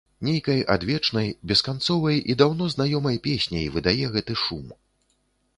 Нейкай адвечнай, бесканцовай і даўно знаёмай песняй выдае гэты шум.